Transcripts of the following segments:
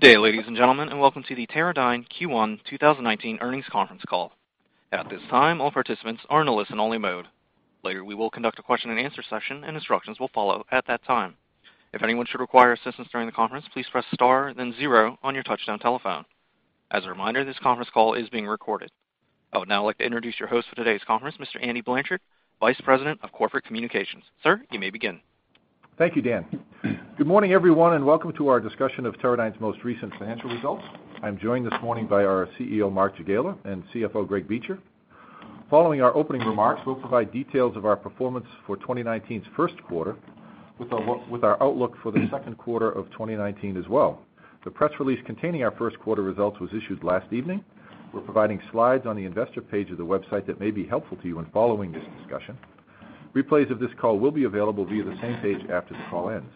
Good day, ladies and gentlemen. Welcome to the Teradyne Q1 2019 earnings conference call. At this time, all participants are in a listen-only mode. Later, we will conduct a question and answer session. Instructions will follow at that time. If anyone should require assistance during the conference, please press star and then zero on your touch-tone telephone. As a reminder, this conference call is being recorded. I would now like to introduce your host for today's conference, Mr. Andy Blanchard, Vice President of Corporate Communications. Sir, you may begin. Thank you, Dan. Good morning, everyone. Welcome to our discussion of Teradyne's most recent financial results. I'm joined this morning by our CEO, Mark Jagiela, and CFO, Gregory Beecher. Following our opening remarks, we'll provide details of our performance for 2019's first quarter with our outlook for the second quarter of 2019 as well. The press release containing our first quarter results was issued last evening. We're providing slides on the investor page of the website that may be helpful to you in following this discussion. Replays of this call will be available via the same page after the call ends.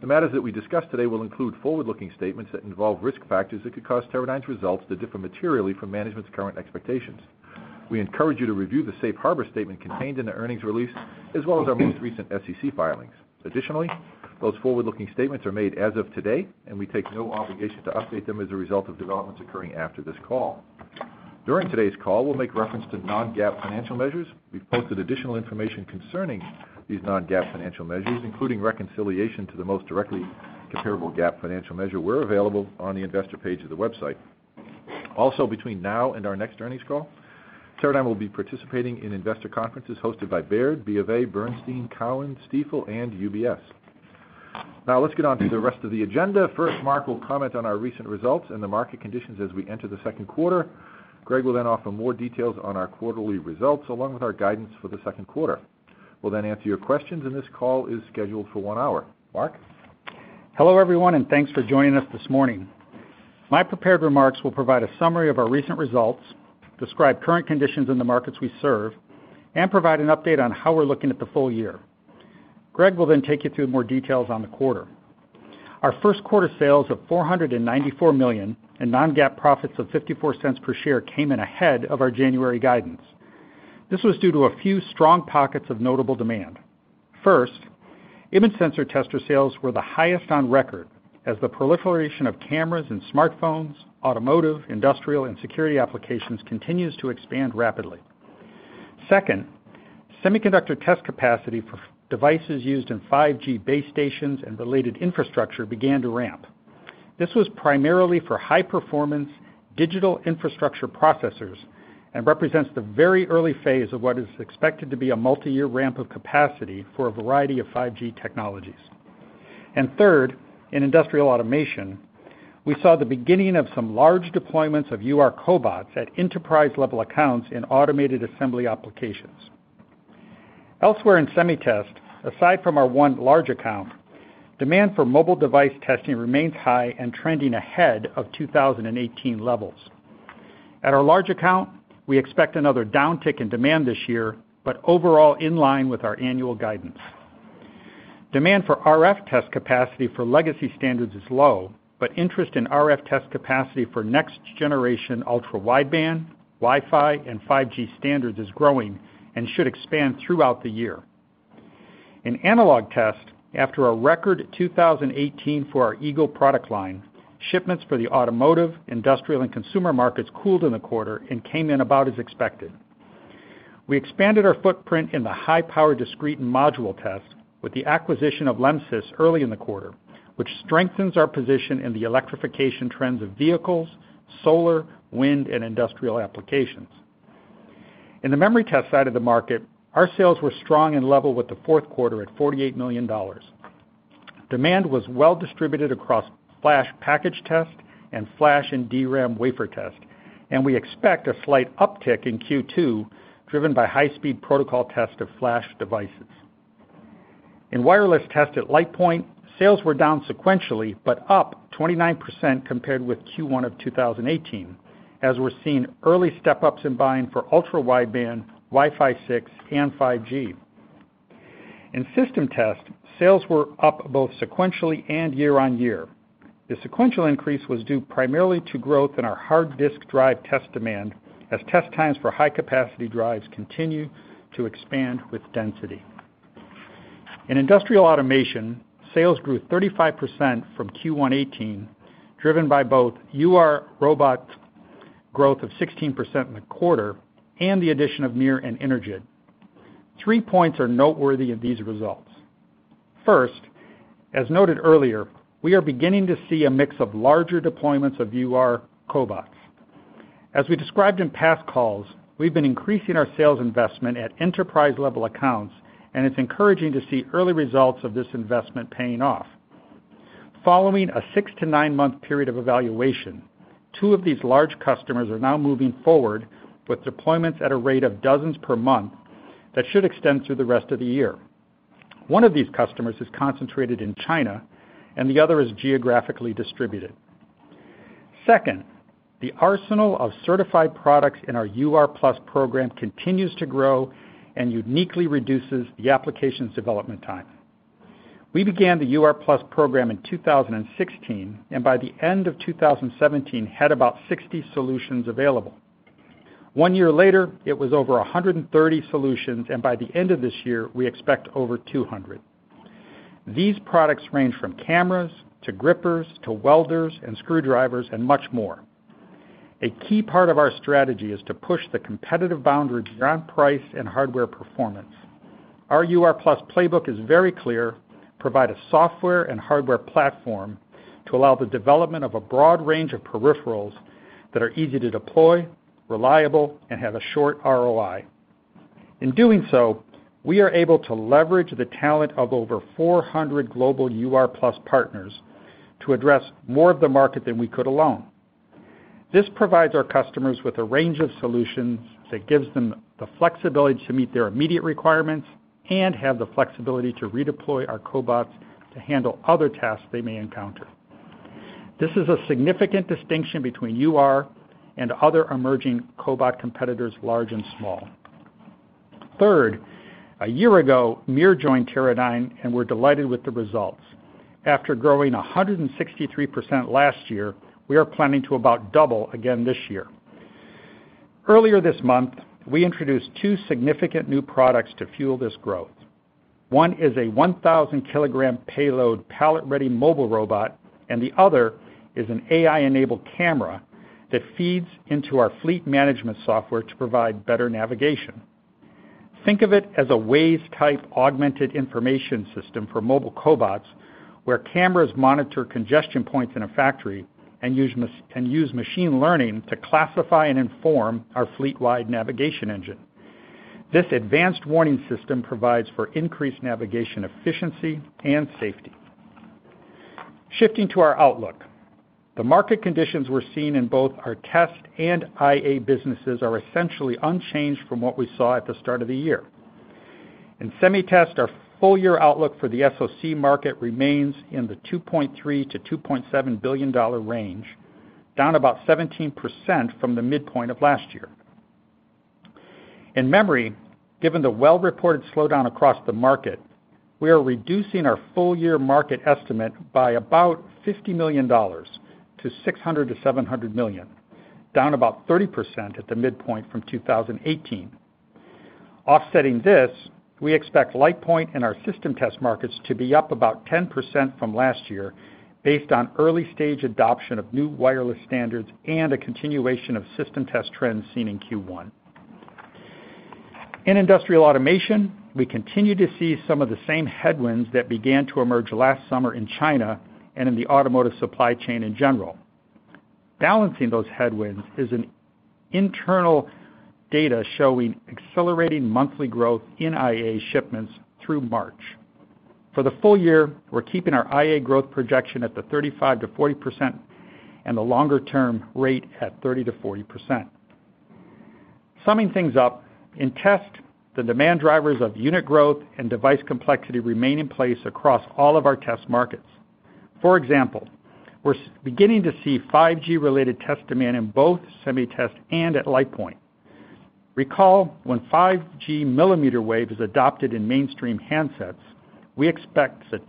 The matters that we discuss today will include forward-looking statements that involve risk factors that could cause Teradyne's results to differ materially from management's current expectations. We encourage you to review the safe harbor statement contained in the earnings release, as well as our most recent SEC filings. Additionally, those forward-looking statements are made as of today. We take no obligation to update them as a result of developments occurring after this call. During today's call, we'll make reference to non-GAAP financial measures. We've posted additional information concerning these non-GAAP financial measures, including reconciliation to the most directly comparable GAAP financial measure, where available on the investor page of the website. Also, between now and our next earnings call, Teradyne will be participating in investor conferences hosted by Baird, BofA, Bernstein, Cowen, Stifel, and UBS. Let's get on to the rest of the agenda. First, Mark will comment on our recent results and the market conditions as we enter the second quarter. Greg will offer more details on our quarterly results, along with our guidance for the second quarter. We'll answer your questions. This call is scheduled for one hour. Mark? Hello, everyone. Thanks for joining us this morning. My prepared remarks will provide a summary of our recent results, describe current conditions in the markets we serve, and provide an update on how we're looking at the full year. Greg will take you through more details on the quarter. Our first quarter sales of $494 million and non-GAAP profits of $0.54 per share came in ahead of our January guidance. This was due to a few strong pockets of notable demand. First, image sensor tester sales were the highest on record as the proliferation of cameras and smartphones, automotive, industrial, and security applications continues to expand rapidly. Second, semiconductor test capacity for devices used in 5G base stations and related infrastructure began to ramp. This was primarily for high-performance digital infrastructure processors and represents the very early phase of what is expected to be a multi-year ramp of capacity for a variety of 5G technologies. Third, in industrial automation, we saw the beginning of some large deployments of UR cobots at enterprise-level accounts in automated assembly applications. Elsewhere in SemiTest, aside from our one large account, demand for mobile device testing remains high and trending ahead of 2018 levels. At our large account, we expect another downtick in demand this year, but overall in line with our annual guidance. Demand for RF test capacity for legacy standards is low, but interest in RF test capacity for next generation ultra-wideband, Wi-Fi, and 5G standards is growing and should expand throughout the year. In analog test, after a record 2018 for our Eagle product line, shipments for the automotive, industrial, and consumer markets cooled in the quarter and came in about as expected. We expanded our footprint in the high-power discrete and module test with the acquisition of Lemsys early in the quarter, which strengthens our position in the electrification trends of vehicles, solar, wind, and industrial applications. In the memory test side of the market, our sales were strong and level with the fourth quarter at $48 million. Demand was well distributed across flash package test and flash and DRAM wafer test, and we expect a slight uptick in Q2, driven by high-speed protocol test of flash devices. In wireless test at LitePoint, sales were down sequentially, but up 29% compared with Q1 of 2018, as we're seeing early step-ups in buying for ultra-wideband, Wi-Fi 6, and 5G. In system test, sales were up both sequentially and year-on-year. The sequential increase was due primarily to growth in our hard disk drive test demand as test times for high-capacity drives continue to expand with density. In industrial automation, sales grew 35% from Q1 2018, driven by both UR robot growth of 16% in the quarter and the addition of MiR and Energid. Three points are noteworthy of these results. First, as noted earlier, we are beginning to see a mix of larger deployments of UR cobots. As we described in past calls, we've been increasing our sales investment at enterprise-level accounts, and it's encouraging to see early results of this investment paying off. Following a six to nine-month period of evaluation, two of these large customers are now moving forward with deployments at a rate of dozens per month that should extend through the rest of the year. One of these customers is concentrated in China and the other is geographically distributed. Second, the arsenal of certified products in our UR+ program continues to grow and uniquely reduces the applications development time. We began the UR+ program in 2016, and by the end of 2017, had about 60 solutions available. One year later, it was over 130 solutions, and by the end of this year, we expect over 200. These products range from cameras to grippers to welders and screwdrivers, and much more. A key part of our strategy is to push the competitive boundaries around price and hardware performance. Our UR+ playbook is very clear: provide a software and hardware platform to allow the development of a broad range of peripherals that are easy to deploy, reliable, and have a short ROI. In doing so, we are able to leverage the talent of over 400 global UR+ partners to address more of the market than we could alone. This provides our customers with a range of solutions that gives them the flexibility to meet their immediate requirements and have the flexibility to redeploy our cobots to handle other tasks they may encounter. This is a significant distinction between UR and other emerging cobot competitors, large and small. Third, a year ago, MiR joined Teradyne. We're delighted with the results. After growing 163% last year, we are planning to about double again this year. Earlier this month, we introduced two significant new products to fuel this growth. One is a 1,000-kilogram payload pallet-ready mobile robot, and the other is an AI-enabled camera that feeds into our fleet management software to provide better navigation. Think of it as a Waze-type augmented information system for mobile cobots, where cameras monitor congestion points in a factory and use machine learning to classify and inform our fleet-wide navigation engine. This advanced warning system provides for increased navigation efficiency and safety. Shifting to our outlook. The market conditions we're seeing in both our test and IA businesses are essentially unchanged from what we saw at the start of the year. In SemiTest, our full-year outlook for the SoC market remains in the $2.3 billion to $2.7 billion range, down about 17% from the midpoint of last year. In memory, given the well-reported slowdown across the market, we are reducing our full-year market estimate by about $50 million to $600 million to $700 million, down about 30% at the midpoint from 2018. Offsetting this, we expect LitePoint and our system test markets to be up about 10% from last year based on early-stage adoption of new wireless standards and a continuation of system test trends seen in Q1. In industrial automation, we continue to see some of the same headwinds that began to emerge last summer in China and in the automotive supply chain in general. Balancing those headwinds is an internal data showing accelerating monthly growth in IA shipments through March. For the full year, we're keeping our IA growth projection at the 35%-40% and the longer-term rate at 30%-40%. Summing things up, in test, the demand drivers of unit growth and device complexity remain in place across all of our test markets. For example, we're beginning to see 5G-related test demand in both SemiTest and at LitePoint. Recall when 5G millimeter wave is adopted in mainstream handsets, we expect the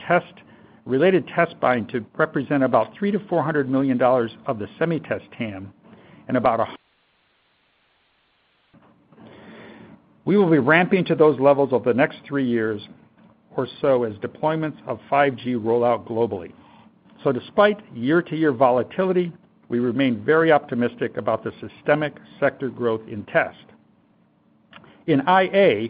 related test buying to represent about $300 million to $400 million of the SemiTest TAM. We will be ramping to those levels over the next three years or so as deployments of 5G roll out globally. Despite year-to-year volatility, we remain very optimistic about the systemic sector growth in test. In IA,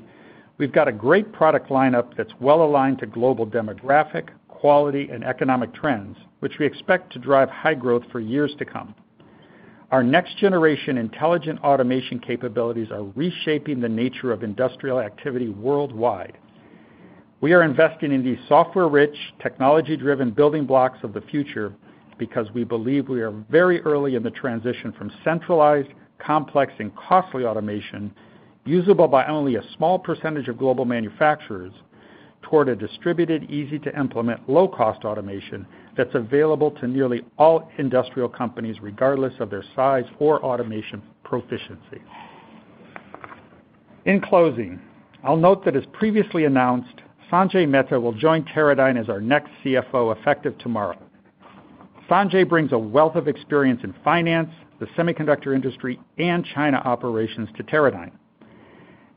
we've got a great product lineup that's well-aligned to global demographic, quality, and economic trends, which we expect to drive high growth for years to come. Our next-generation intelligent automation capabilities are reshaping the nature of industrial activity worldwide. We are investing in these software-rich, technology-driven building blocks of the future because we believe we are very early in the transition from centralized, complex, and costly automation, usable by only a small percentage of global manufacturers, toward a distributed, easy-to-implement, low-cost automation that's available to nearly all industrial companies, regardless of their size or automation proficiency. In closing, I'll note that as previously announced, Sanjay Mehta will join Teradyne as our next CFO effective tomorrow. Sanjay brings a wealth of experience in finance, the semiconductor industry, and China operations to Teradyne.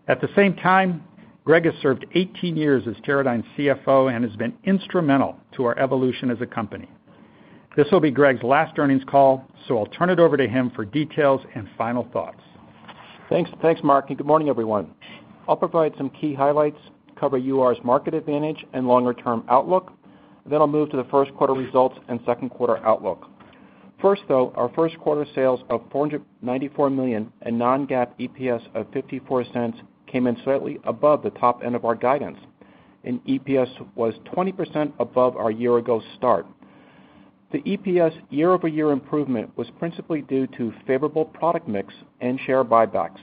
At the same time, Greg has served 18 years as Teradyne's CFO and has been instrumental to our evolution as a company. I'll turn it over to him for details and final thoughts. Thanks, Mark, and good morning, everyone. I'll provide some key highlights, cover UR's market advantage and longer-term outlook. I'll move to the first quarter results and second quarter outlook. First, though, our first quarter sales of $494 million and non-GAAP EPS of $0.54 came in slightly above the top end of our guidance. EPS was 20% above our year-ago start. The EPS year-over-year improvement was principally due to favorable product mix and share buybacks,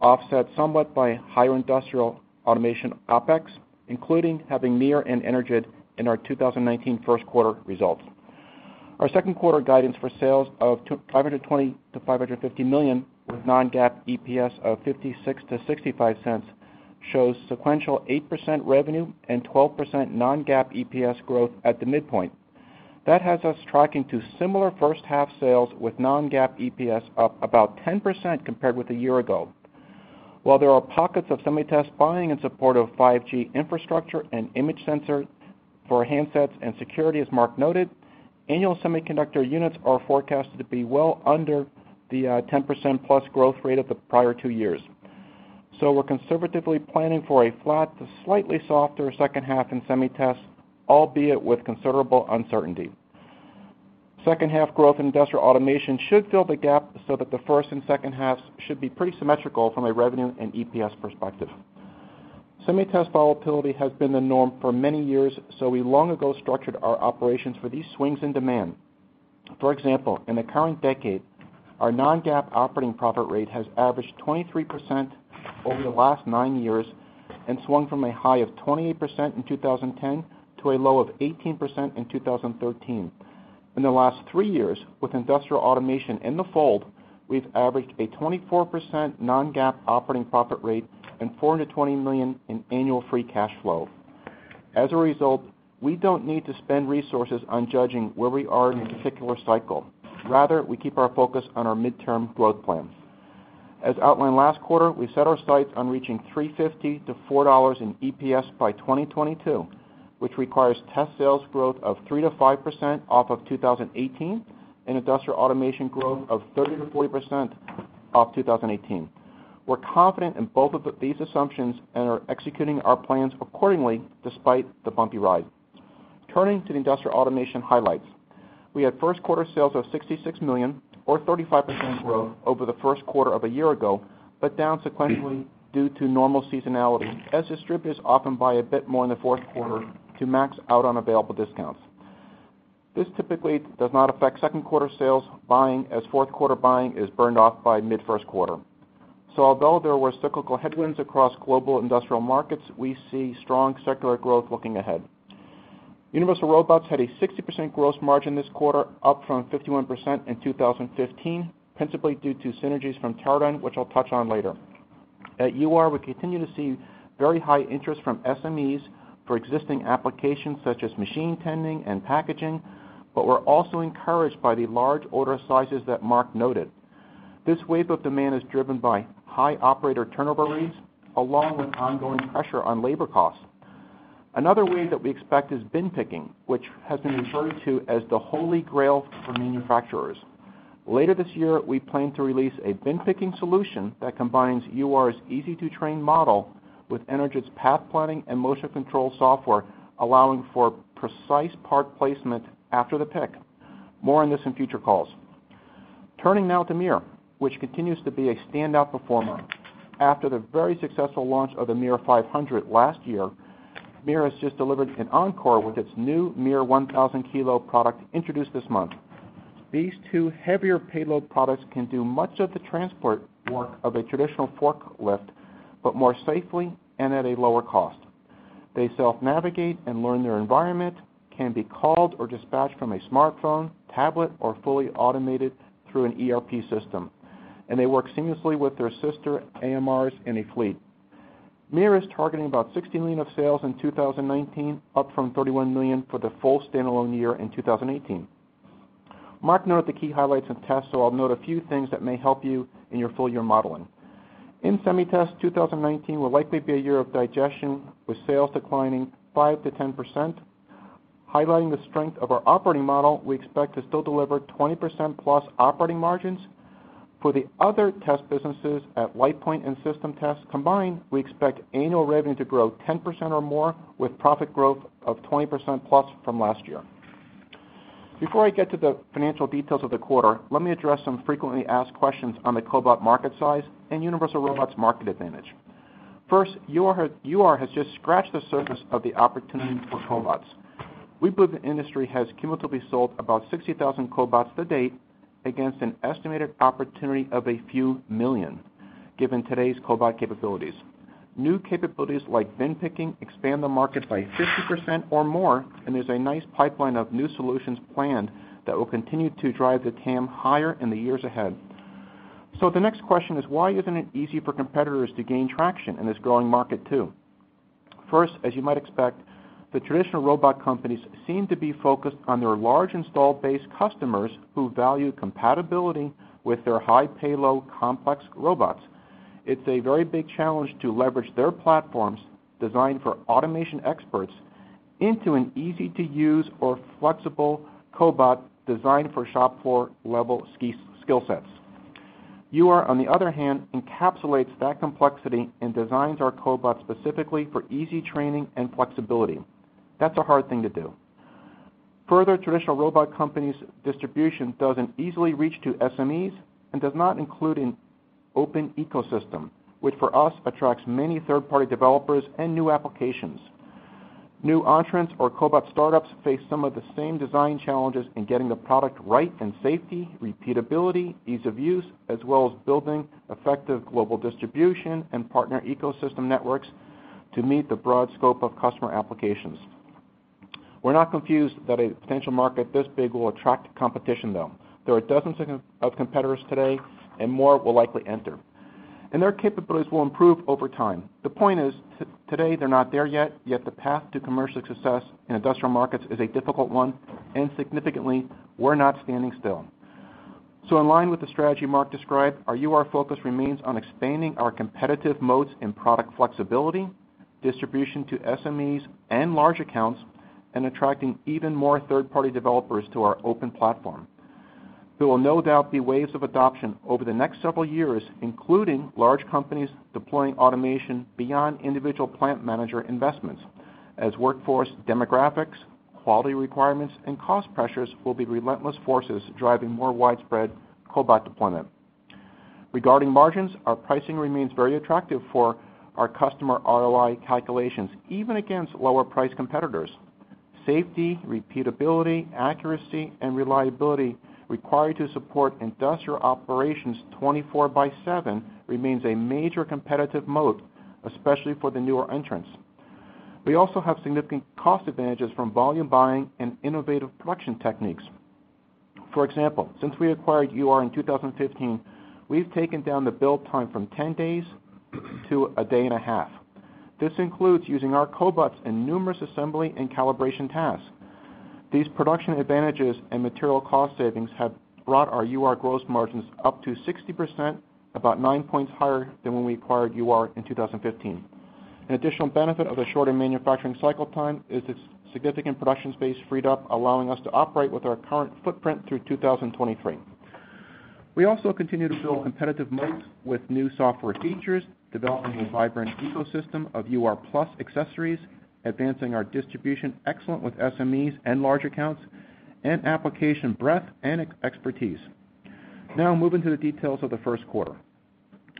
offset somewhat by higher industrial automation OpEx, including having MiR and Energid in our 2019 first quarter results. Our second quarter guidance for sales of $520 million-$550 million, with non-GAAP EPS of $0.56-$0.65, shows sequential 8% revenue and 12% non-GAAP EPS growth at the midpoint. That has us tracking to similar first half sales with non-GAAP EPS up about 10% compared with a year-ago. While there are pockets of SemiTest buying in support of 5G infrastructure and image sensor for handsets and security, as Mark noted, annual semiconductor units are forecasted to be well under the 10% plus growth rate of the prior two years. We're conservatively planning for a flat to slightly softer second half in SemiTest, albeit with considerable uncertainty. Second half growth in Industrial Automation should fill the gap so that the first and second half should be pretty symmetrical from a revenue and EPS perspective. SemiTest volatility has been the norm for many years. We long ago structured our operations for these swings in demand. For example, in the current decade, our non-GAAP operating profit rate has averaged 23% over the last nine years and swung from a high of 28% in 2010 to a low of 18% in 2013. In the last three years, with Industrial Automation in the fold, we've averaged a 24% non-GAAP operating profit rate and $420 million in annual free cash flow. As a result, we don't need to spend resources on judging where we are in a particular cycle. Rather, we keep our focus on our midterm growth plans. As outlined last quarter, we set our sights on reaching $3.50-$4 in EPS by 2022, which requires test sales growth of 3%-5% off of 2018 and Industrial Automation growth of 30%-40% off 2018. We're confident in both of these assumptions and are executing our plans accordingly, despite the bumpy ride. Turning to the Industrial Automation highlights. We had first quarter sales of $66 million, or 35% growth over the first quarter of a year ago, but down sequentially due to normal seasonality, as distributors often buy a bit more in the fourth quarter to max out on available discounts. This typically does not affect second quarter sales buying, as fourth quarter buying is burned off by mid-first quarter. Although there were cyclical headwinds across global industrial markets, we see strong secular growth looking ahead. Universal Robots had a 60% gross margin this quarter, up from 51% in 2015, principally due to synergies from Teradyne, which I'll touch on later. At UR, we continue to see very high interest from SMEs for existing applications such as machine tending and packaging, but we're also encouraged by the large order sizes that Mark noted. This wave of demand is driven by high operator turnover rates, along with ongoing pressure on labor costs. Another wave that we expect is bin picking, which has been referred to as the holy grail for manufacturers. Later this year, we plan to release a bin picking solution that combines UR's easy-to-train model with Energid's path planning and motion control software, allowing for precise part placement after the pick. More on this in future calls. Turning now to MiR, which continues to be a standout performer. After the very successful launch of the MiR500 last year, MiR has just delivered an encore with its new MiR1000 Kilo product introduced this month. These two heavier payload products can do much of the transport work of a traditional forklift, but more safely and at a lower cost. They self-navigate and learn their environment, can be called or dispatched from a smartphone, tablet, or fully automated through an ERP system, and they work seamlessly with their sister AMRs in a fleet. MiR is targeting about $60 million of sales in 2019, up from $31 million for the full standalone year in 2018. Mark noted the key highlights in tests, I'll note a few things that may help you in your full year modeling. In SemiTest, 2019 will likely be a year of digestion, with sales declining 5%-10%. Highlighting the strength of our operating model, we expect to still deliver 20%+ operating margins. For the other test businesses at LitePoint and System Test combined, we expect annual revenue to grow 10% or more, with profit growth of 20%+ from last year. Before I get to the financial details of the quarter, let me address some frequently asked questions on the cobot market size and Universal Robots market advantage. First, UR has just scratched the surface of the opportunity for cobots. We believe the industry has cumulatively sold about 60,000 cobots to date against an estimated opportunity of a few million, given today's cobot capabilities. New capabilities like bin picking expand the market by 50% or more, and there's a nice pipeline of new solutions planned that will continue to drive the TAM higher in the years ahead. The next question is, why isn't it easy for competitors to gain traction in this growing market, too? First, as you might expect, the traditional robot companies seem to be focused on their large installed base customers who value compatibility with their high-payload complex robots. It's a very big challenge to leverage their platforms designed for automation experts into an easy-to-use or flexible cobot designed for shop floor-level skill sets. UR, on the other hand, encapsulates that complexity and designs our cobot specifically for easy training and flexibility. That's a hard thing to do. Further, traditional robot companies' distribution doesn't easily reach to SMEs and does not include an open ecosystem, which for us attracts many third-party developers and new applications. New entrants or cobot startups face some of the same design challenges in getting the product right in safety, repeatability, ease of use, as well as building effective global distribution and partner ecosystem networks to meet the broad scope of customer applications. We're not confused that a potential market this big will attract competition, though. There are dozens of competitors today and more will likely enter. Their capabilities will improve over time. The point is, today, they're not there yet. The path to commercial success in industrial markets is a difficult one, and significantly, we're not standing still. In line with the strategy Mark described, our UR focus remains on expanding our competitive moats in product flexibility, distribution to SMEs and large accounts, and attracting even more third-party developers to our open platform. There will no doubt be waves of adoption over the next several years, including large companies deploying automation beyond individual plant manager investments, as workforce demographics, quality requirements, and cost pressures will be relentless forces driving more widespread cobot deployment. Regarding margins, our pricing remains very attractive for our customer ROI calculations, even against lower-priced competitors. Safety, repeatability, accuracy, and reliability required to support industrial operations 24 by seven remains a major competitive moat, especially for the newer entrants. We also have significant cost advantages from volume buying and innovative production techniques. For example, since we acquired UR in 2015, we've taken down the build time from 10 days to a day and a half. This includes using our cobots in numerous assembly and calibration tasks. These production advantages and material cost savings have brought our UR gross margins up to 60%, about nine points higher than when we acquired UR in 2015. An additional benefit of the shorter manufacturing cycle time is its significant production space freed up, allowing us to operate with our current footprint through 2023. We also continue to build competitive moats with new software features, developing a vibrant ecosystem of UR+ accessories, advancing our distribution excellent with SMEs and large accounts, and application breadth and expertise. Moving to the details of the first quarter.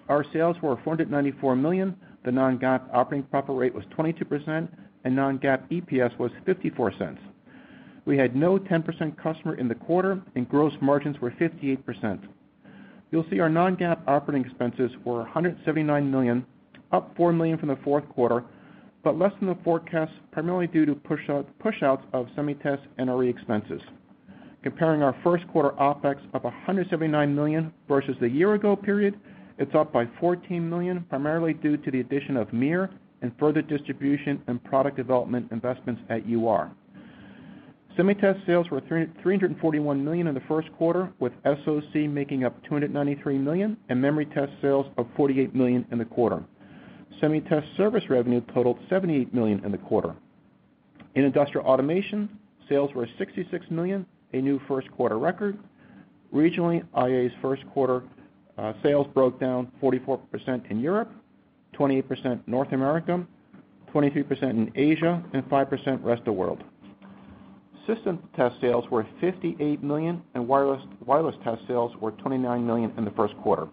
Our sales were $494 million, the non-GAAP operating profit rate was 22%, and non-GAAP EPS was $0.54. We had no 10% customer in the quarter, and gross margins were 58%. Our non-GAAP operating expenses were $179 million, up $4 million from the fourth quarter, but less than the forecast, primarily due to pushouts of SemiTest NRE expenses. Comparing our first quarter OpEx of $179 million versus the year-ago period, it's up by $14 million, primarily due to the addition of MiR and further distribution and product development investments at UR. SemiTest sales were $341 million in the first quarter, with SoC making up $293 million and memory test sales of $48 million in the quarter. SemiTest service revenue totaled $78 million in the quarter. In industrial automation, sales were $66 million, a new first-quarter record. Regionally, IA's first-quarter sales broke down 44% in Europe, 28% North America, 23% in Asia, and 5% rest of world. System test sales were $58 million, and wireless test sales were $29 million in the first quarter.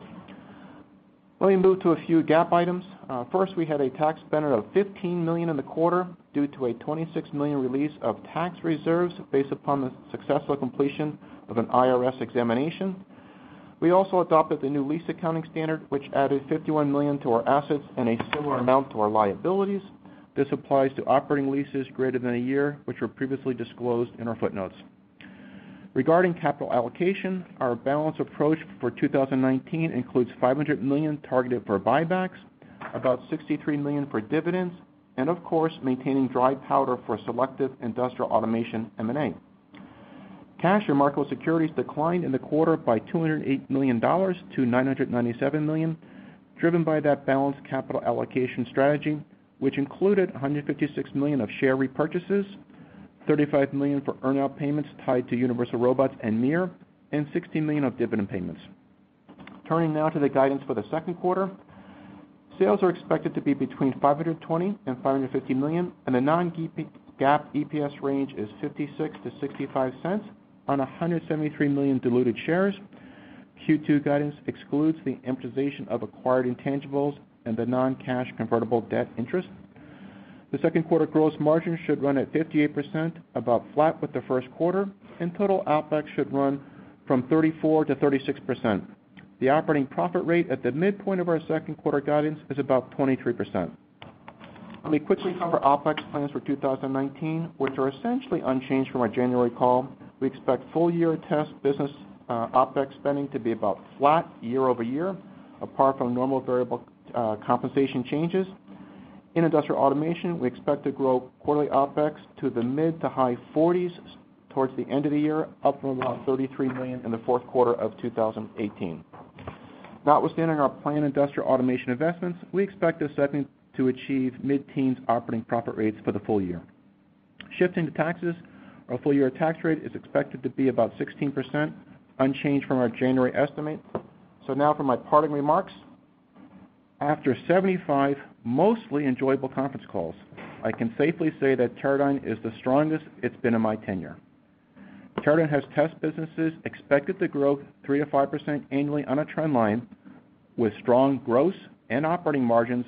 Let me move to a few GAAP items. First, we had a tax benefit of $15 million in the quarter due to a $26 million release of tax reserves based upon the successful completion of an IRS examination. We also adopted the new lease accounting standard, which added $51 million to our assets and a similar amount to our liabilities. This applies to operating leases greater than a year, which were previously disclosed in our footnotes. Regarding capital allocation, our balanced approach for 2019 includes $500 million targeted for buybacks, about $63 million for dividends, and of course, maintaining dry powder for selective industrial automation M&A. Cash and marketable securities declined in the quarter by $208 million to $997 million, driven by that balanced capital allocation strategy, which included $156 million of share repurchases, $35 million for earn-out payments tied to Universal Robots and MiR, and $16 million of dividend payments. Turning now to the guidance for the second quarter. Sales are expected to be between $520 and $550 million, and the non-GAAP EPS range is $0.56 to $0.65 on 173 million diluted shares. Q2 guidance excludes the amortization of acquired intangibles and the non-cash convertible debt interest. The second quarter gross margin should run at 58%, about flat with the first quarter, and total OpEx should run from 34%-36%. The operating profit rate at the midpoint of our second quarter guidance is about 23%. Let me quickly cover OpEx plans for 2019, which are essentially unchanged from our January call. We expect full-year test business OpEx spending to be about flat year-over-year, apart from normal variable compensation changes. In industrial automation, we expect to grow quarterly OpEx to the mid to high 40s towards the end of the year, up from about $33 million in the fourth quarter of 2018. Notwithstanding our planned industrial automation investments, we expect this segment to achieve mid-teens operating profit rates for the full year. Shifting to taxes, our full-year tax rate is expected to be about 16%, unchanged from our January estimate. Now for my parting remarks. After 75, mostly enjoyable conference calls, I can safely say that Teradyne is the strongest it's been in my tenure. Teradyne has test businesses expected to grow 3%-5% annually on a trend line, with strong gross and operating margins,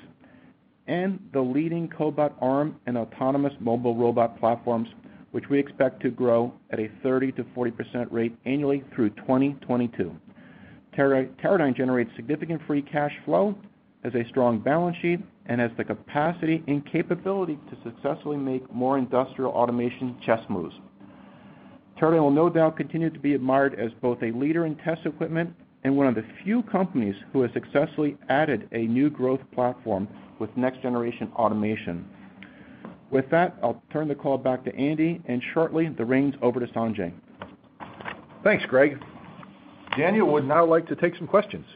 and the leading cobot arm and autonomous mobile robot platforms, which we expect to grow at a 30%-40% rate annually through 2022. Teradyne generates significant free cash flow, has a strong balance sheet, and has the capacity and capability to successfully make more industrial automation chess moves. Teradyne will no doubt continue to be admired as both a leader in test equipment and one of the few companies who has successfully added a new growth platform with next generation automation. With that, I'll turn the call back to Andy, and shortly, the reins over to Sanjay. Thanks, Greg. Daniel would now like to take some questions.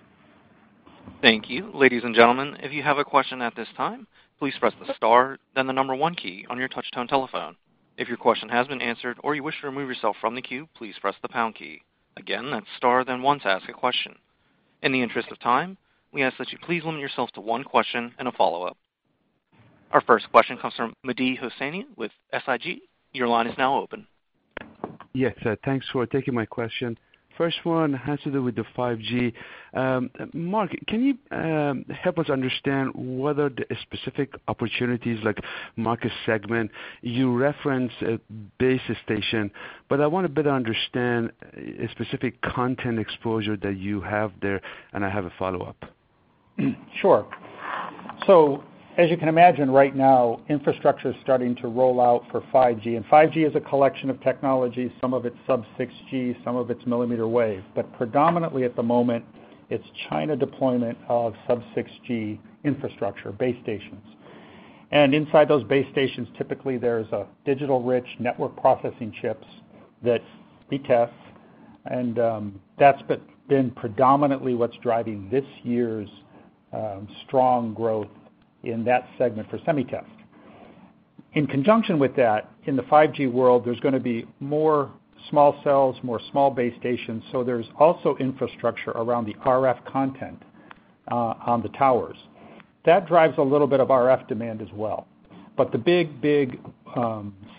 Thank you. Ladies and gentlemen, if you have a question at this time, please press the star, then the number one key on your touchtone telephone. If your question has been answered or you wish to remove yourself from the queue, please press the pound key. Again, that's star then one to ask a question. In the interest of time, we ask that you please limit yourself to one question and a follow-up. Our first question comes from Mehdi Hosseini with SIG. Your line is now open. Yes. Thanks for taking my question. First one has to do with the 5G. Mark, can you help us understand what are the specific opportunities, like market segment? You referenced base station, but I want to better understand specific content exposure that you have there, and I have a follow-up. Sure. As you can imagine, right now infrastructure is starting to roll out for 5G, and 5G is a collection of technologies. Some of it's sub-6 GHz, some of it's millimeter wave. Predominantly at the moment it's China deployment of sub-6 GHz infrastructure base stations. Inside those base stations, typically there's digital rich network processing chips that we test. That's been predominantly what's driving this year's strong growth in that segment for SemiTest. In conjunction with that, in the 5G world, there's going to be more small cells, more small base stations, so there's also infrastructure around the RF content on the towers. That drives a little bit of RF demand as well. The big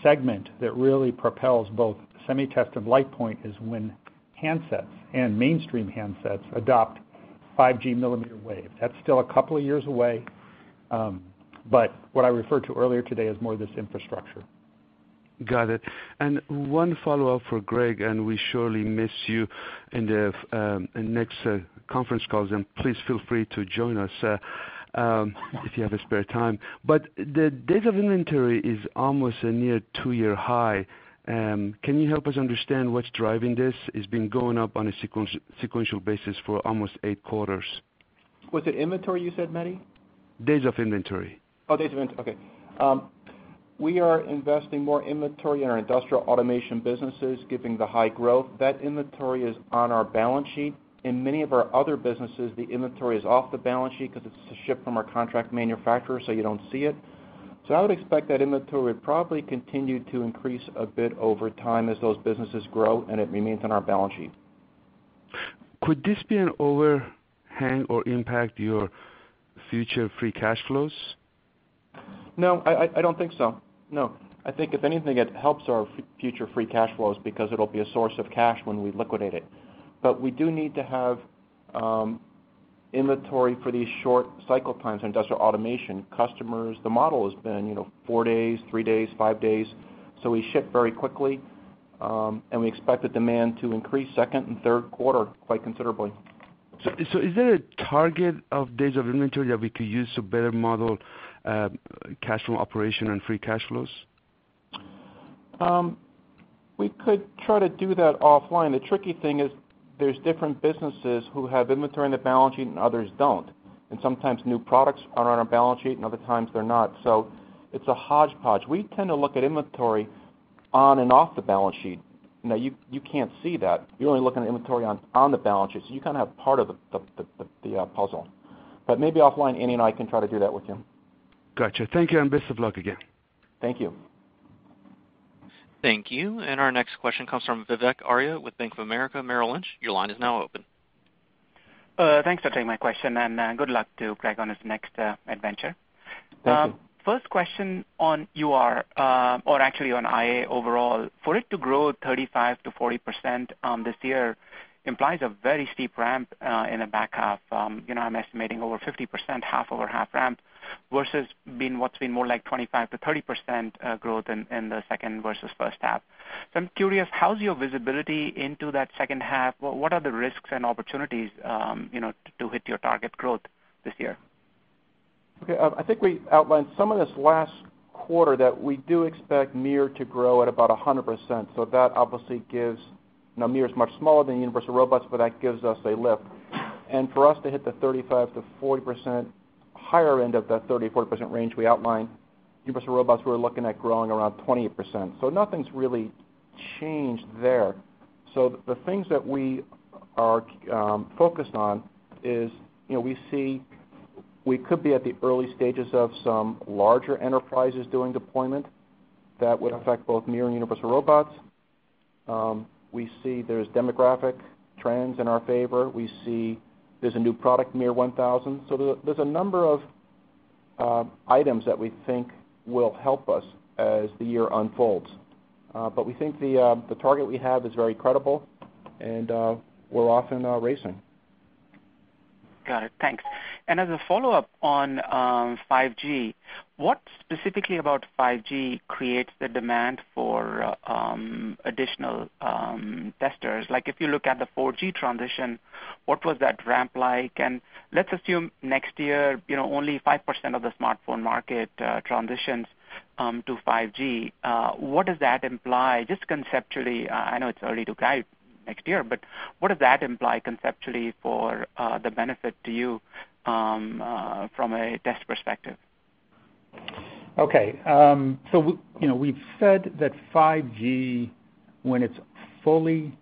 segment that really propels both SemiTest and LitePoint is when handsets and mainstream handsets adopt 5G millimeter wave. That's still a couple of years away. What I referred to earlier today is more this infrastructure. Got it. One follow-up for Greg, we surely miss you in the next conference calls, and please feel free to join us if you have spare time. The days of inventory is almost a near two-year high. Can you help us understand what's driving this? It's been going up on a sequential basis for almost eight quarters. Was it inventory, you said, Mehdi? Days of inventory. days of inventory. Okay. We are investing more inventory in our industrial automation businesses, given the high growth. That inventory is on our balance sheet. In many of our other businesses, the inventory is off the balance sheet because it's shipped from our contract manufacturer, so you don't see it. I would expect that inventory would probably continue to increase a bit over time as those businesses grow, and it remains on our balance sheet. Could this be an overhang or impact your future free cash flows? No, I don't think so. No. I think if anything, it helps our future free cash flows because it'll be a source of cash when we liquidate it. We do need to have inventory for these short cycle times in industrial automation. Customers, the model has been four days, three days, five days. We ship very quickly, and we expect the demand to increase second and third quarter quite considerably. Is there a target of days of inventory that we could use to better model cash from operation and free cash flows? We could try to do that offline. The tricky thing is there's different businesses who have inventory on the balance sheet and others don't, and sometimes new products are on our balance sheet, and other times they're not. It's a hodgepodge. We tend to look at inventory on and off the balance sheet. Now you can't see that. You only look at inventory on the balance sheet, so you kind of have part of the puzzle. Maybe offline, Andy and I can try to do that with you. Got you. Thank you, and best of luck again. Thank you. Thank you. Our next question comes from Vivek Arya with Bank of America Merrill Lynch. Your line is now open. Thanks for taking my question, good luck to Greg on his next adventure. Thank you. First question on UR, or actually on IA overall. For it to grow 35%-40% this year implies a very steep ramp in the back half. I'm estimating over 50%, half over half ramp versus what's been more like 25%-30% growth in the second versus first half. I'm curious, how's your visibility into that second half? What are the risks and opportunities to hit your target growth this year? Okay. I think we outlined some of this last quarter, that we do expect MiR to grow at about 100%. MiR is much smaller than Universal Robots, that gives us a lift. For us to hit the 35%-40%, higher end of that 30%-40% range we outlined, Universal Robots, we're looking at growing around 28%. Nothing's really changed there. The things that we are focused on is we see we could be at the early stages of some larger enterprises doing deployment that would affect both MiR and Universal Robots. We see there's demographic trends in our favor. We see there's a new product, MiR1000. There's a number of items that we think will help us as the year unfolds. We think the target we have is very credible and we're off and racing. Got it. Thanks. As a follow-up on 5G, what specifically about 5G creates the demand for additional testers? If you look at the 4G transition, what was that ramp like? Let's assume next year only 5% of the smartphone market transitions to 5G. What does that imply, just conceptually, I know it's early to guide next year, but what does that imply conceptually for the benefit to you from a test perspective? Okay. We've said that 5G, when it's fully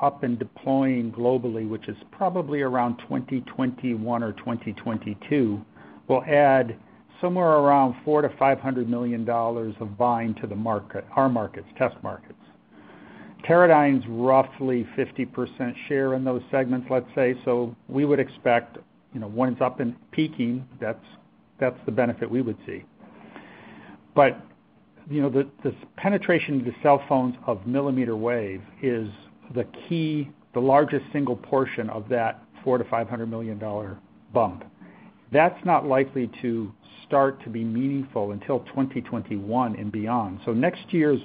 up and deploying globally, which is probably around 2021 or 2022, will add somewhere around $400 million to $500 million of buying to our test markets. Teradyne's roughly 50% share in those segments, let's say, so we would expect, when it's up and peaking, that's the benefit we would see. The penetration of the cell phones of millimeter wave is the key, the largest single portion of that $400 million to $500 million bump. That's not likely to start to be meaningful until 2021 and beyond. Next year's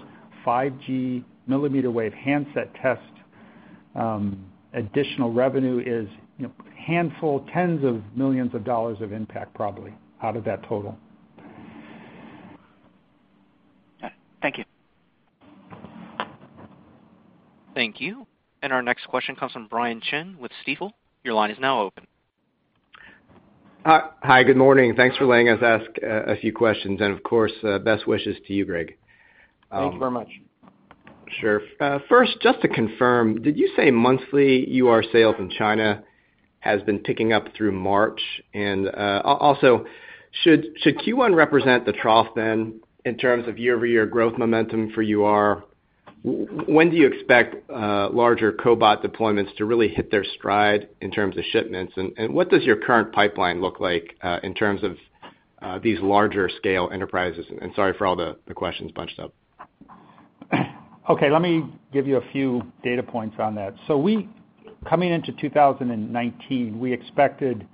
5G millimeter wave handset test additional revenue is tens of millions of dollars of impact, probably, out of that total. Okay. Thank you. Thank you. Our next question comes from Brian Chin with Stifel. Your line is now open. Hi. Good morning. Thanks for letting us ask a few questions, and of course, best wishes to you, Greg. Thanks very much. Sure. First, just to confirm, did you say monthly UR sales in China has been ticking up through March? Also, should Q1 represent the trough then, in terms of year-over-year growth momentum for UR? When do you expect larger cobot deployments to really hit their stride in terms of shipments? What does your current pipeline look like, in terms of these larger scale enterprises? Sorry for all the questions bunched up. Let me give you a few data points on that. Coming into 2019, we expected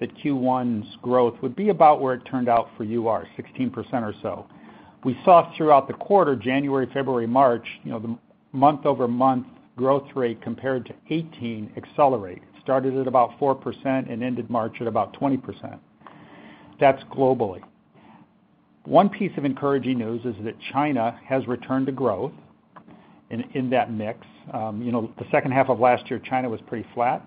that Q1's growth would be about where it turned out for UR, 16% or so. We saw throughout the quarter, January, February, March, the month-over-month growth rate compared to 2018 accelerate. It started at about 4% and ended March at about 20%. That's globally. One piece of encouraging news is that China has returned to growth in that mix. The second half of last year, China was pretty flat.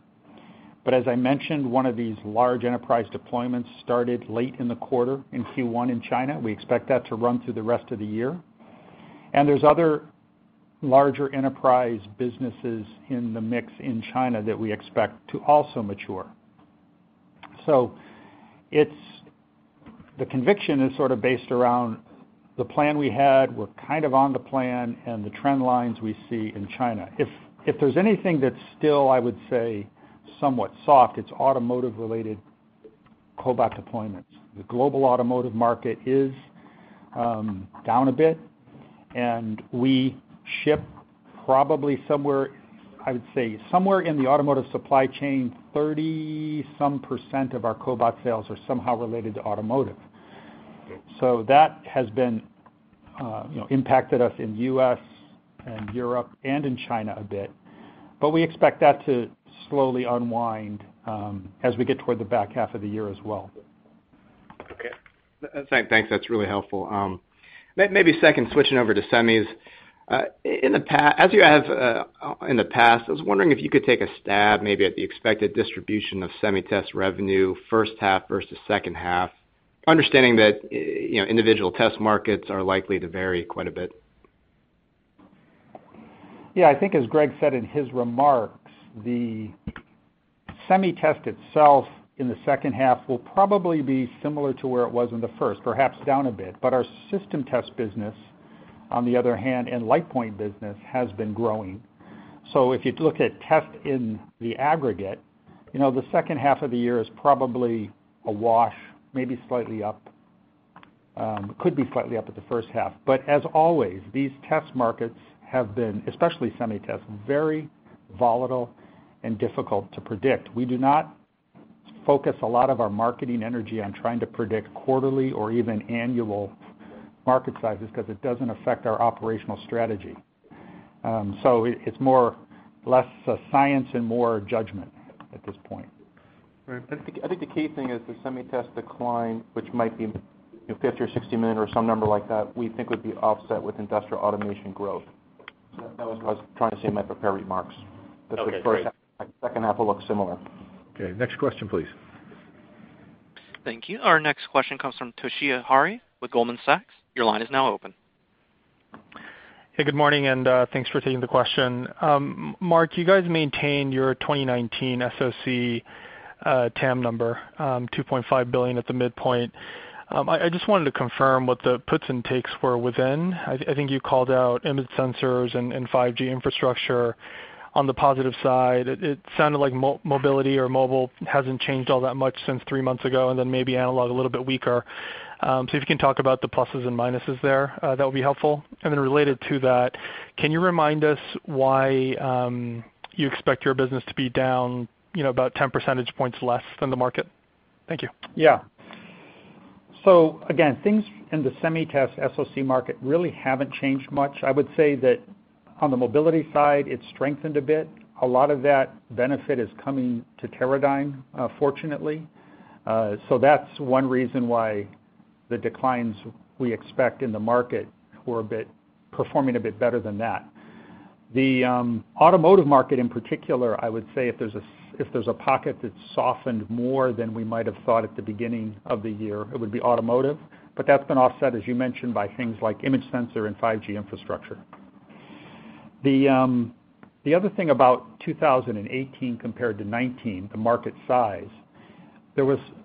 As I mentioned, one of these large enterprise deployments started late in the quarter in Q1 in China. We expect that to run through the rest of the year. There's other larger enterprise businesses in the mix in China that we expect to also mature. The conviction is sort of based around the plan we had, we're kind of on the plan, and the trend lines we see in China. If there's anything that's still, I would say, somewhat soft, it's automotive-related cobot deployments. The global automotive market is down a bit, and we ship probably somewhere, I would say, somewhere in the automotive supply chain, 30-some% of our cobot sales are somehow related to automotive. That has impacted us in the U.S. and Europe and in China a bit. We expect that to slowly unwind as we get toward the back half of the year as well. Okay. Thanks. That's really helpful. Maybe second, switching over to semis. As you have in the past, I was wondering if you could take a stab maybe at the expected distribution of semi test revenue first half versus second half, understanding that individual test markets are likely to vary quite a bit. Yeah, I think as Greg said in his remarks, the semi test itself in the second half will probably be similar to where it was in the first, perhaps down a bit. Our system test business, on the other hand, and LitePoint business, has been growing. If you look at test in the aggregate, the second half of the year is probably a wash, maybe slightly up. Could be slightly up at the first half. As always, these test markets have been, especially semi-test, very volatile and difficult to predict. We do not focus a lot of our marketing energy on trying to predict quarterly or even annual market sizes, because it doesn't affect our operational strategy. It's more, less a science and more a judgment at this point. Right. I think the key thing is the semi-test decline, which might be $50 million or $60 million or some number like that, we think would be offset with industrial automation growth. That was what I was trying to say in my prepared remarks. Okay, great. The second half will look similar. Okay. Next question, please. Thank you. Our next question comes from Toshiya Hari with Goldman Sachs. Your line is now open. Hey, good morning, and thanks for taking the question. Mark, you guys maintained your 2019 SoC TAM number, $2.5 billion at the midpoint. I just wanted to confirm what the puts and takes were within. I think you called out image sensors and 5G infrastructure on the positive side. It sounded like mobility or mobile hasn't changed all that much since three months ago, then maybe analog a little bit weaker. If you can talk about the pluses and minuses there, that would be helpful. Related to that, can you remind us why you expect your business to be down about 10 percentage points less than the market? Thank you. Yeah. Again, things in the SemiTest SoC market really haven't changed much. I would say that on the mobility side, it's strengthened a bit. A lot of that benefit is coming to Teradyne, fortunately. That's one reason why the declines we expect in the market were performing a bit better than that. The automotive market in particular, I would say, if there's a pocket that's softened more than we might have thought at the beginning of the year, it would be automotive. But that's been offset, as you mentioned, by things like image sensor and 5G infrastructure. The other thing about 2018 compared to 2019, the market size,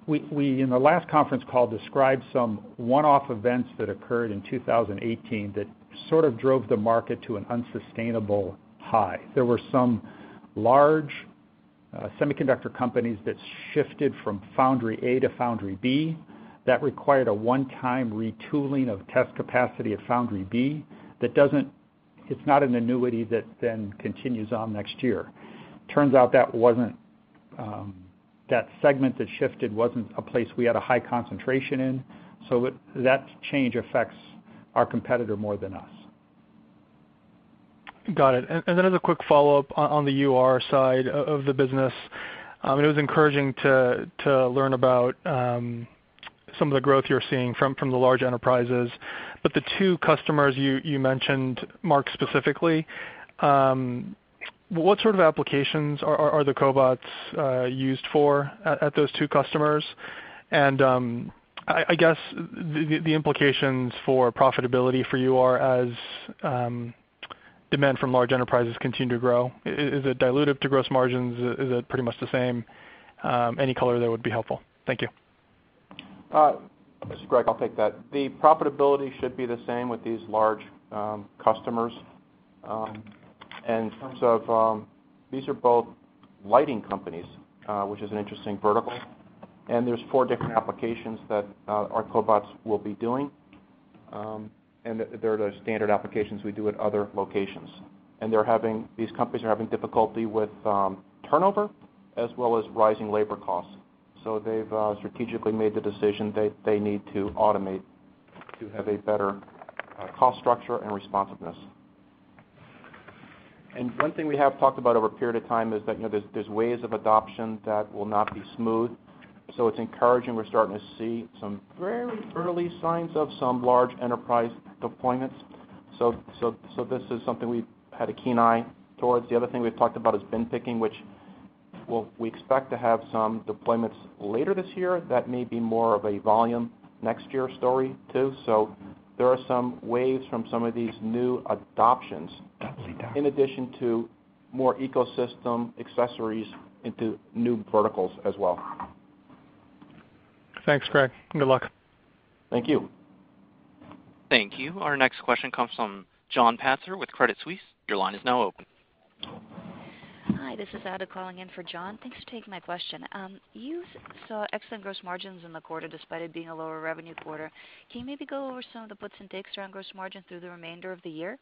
we, in the last conference call, described some one-off events that occurred in 2018 that sort of drove the market to an unsustainable high. There were some large semiconductor companies that shifted from foundry A to foundry B. That required a one-time retooling of test capacity at foundry B. It's not an annuity that then continues on next year. Turns out that segment that shifted wasn't a place we had a high concentration in, so that change affects our competitor more than us. Got it. As a quick follow-up on the UR side of the business, it was encouraging to learn about some of the growth you're seeing from the large enterprises. But the two customers you mentioned, Mark, specifically, what sort of applications are the cobots used for at those two customers? I guess the implications for profitability for UR as demand from large enterprises continue to grow, is it dilutive to gross margins? Is it pretty much the same? Any color there would be helpful. Thank you. This is Greg. I'll take that. The profitability should be the same with these large customers. These are both lighting companies, which is an interesting vertical, and there are four different applications that our cobots will be doing, and they are the standard applications we do at other locations. These companies are having difficulty with turnover as well as rising labor costs, so they have strategically made the decision that they need to automate to have a better cost structure and responsiveness. One thing we have talked about over a period of time is that there are ways of adoption that will not be smooth. It is encouraging. We are starting to see some very early signs of some large enterprise deployments. This is something we have had a keen eye towards. The other thing we have talked about is bin picking, which we expect to have some deployments later this year. That may be more of a volume next year story, too. There are some waves from some of these new adoptions in addition to more ecosystem accessories into new verticals as well. Thanks, Greg, and good luck. Thank you. Thank you. Our next question comes from John Pitzer with Credit Suisse. Your line is now open. Hi, this is Ada calling in for John. Thanks for taking my question. You saw excellent gross margins in the quarter, despite it being a lower revenue quarter. Can you maybe go over some of the puts and takes around gross margin through the remainder of the year?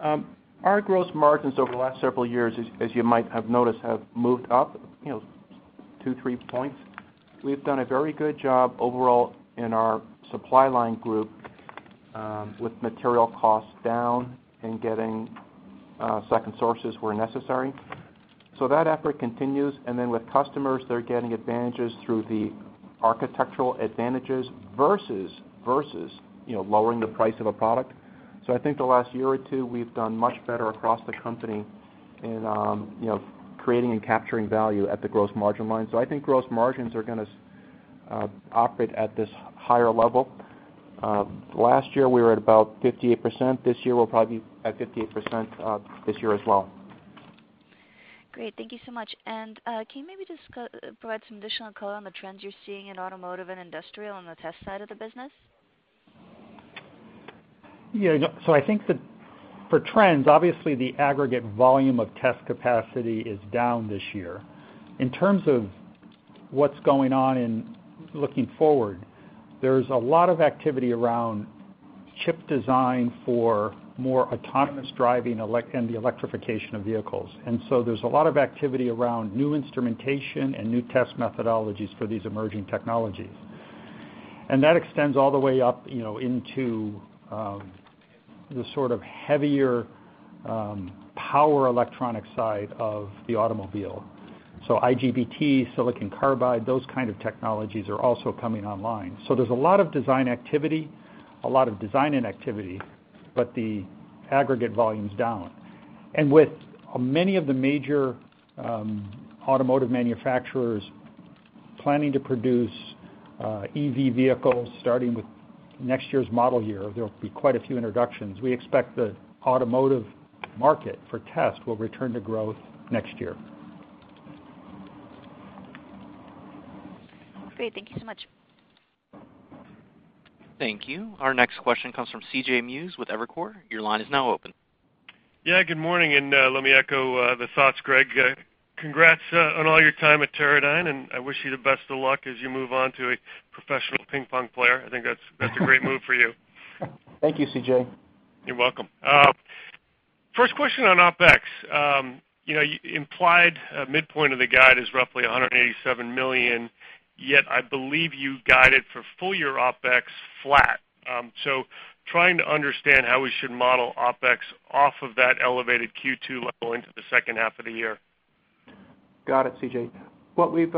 Our gross margins over the last several years, as you might have noticed, have moved up 2, 3 points. We've done a very good job overall in our supply line group with material costs down and getting second sources where necessary. That effort continues. Then with customers, they're getting advantages through the architectural advantages versus lowering the price of a product. I think the last year or 2, we've done much better across the company in creating and capturing value at the gross margin line. I think gross margins are going to operate at this higher level. Last year, we were at about 58%. This year, we'll probably be at 58% this year as well. Great. Thank you so much. Can you maybe just provide some additional color on the trends you're seeing in automotive and industrial on the test side of the business? Yeah. I think for trends, obviously, the aggregate volume of test capacity is down this year. In terms of what's going on in looking forward, there's a lot of activity around chip design for more autonomous driving and the electrification of vehicles. There's a lot of activity around new instrumentation and new test methodologies for these emerging technologies. That extends all the way up into the sort of heavier power electronics side of the automobile. IGBT, silicon carbide, those kind of technologies are also coming online. There's a lot of design-in activity, but the aggregate volume's down. With many of the major automotive manufacturers planning to produce EV vehicles, starting with next year's model year, there will be quite a few introductions. We expect the automotive market for test will return to growth next year. Great. Thank you so much. Thank you. Our next question comes from C.J. Muse with Evercore. Your line is now open. Yeah, good morning, let me echo the thoughts, Greg. Congrats on all your time at Teradyne, I wish you the best of luck as you move on to a professional ping pong player. I think that's a great move for you. Thank you, C.J. You're welcome. First question on OpEx. Implied midpoint of the guide is roughly $187 million, yet I believe you guided for full-year OpEx flat. Trying to understand how we should model OpEx off of that elevated Q2 level into the second half of the year. Got it, C.J. What we've